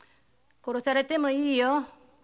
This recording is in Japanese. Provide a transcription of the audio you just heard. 殺されてもいいよ。